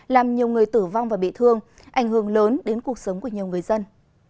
làm nhiều người tử vong và bị thương ảnh hưởng lớn đến cuộc sống của nhiều người dân